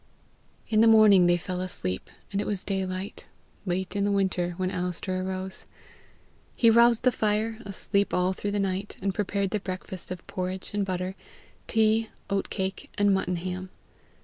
In the morning they fell asleep, and it was daylight, late in the winter, when Alister rose. He roused the fire, asleep all through the night, and prepared their breakfast of porridge and butter, tea, oat cake, and mutton ham.